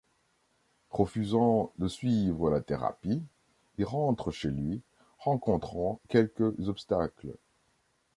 Refusant de suivre la thérapie, il rentre chez lui, rencontrant quelques obstacles.